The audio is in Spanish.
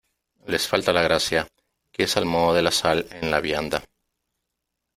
les falta la gracia , que es al modo de la sal en la vianda .